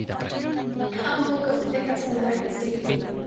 Handbook of Texas Online, s.v.